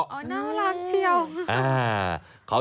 น่ารักเชียว